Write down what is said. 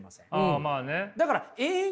あまあね。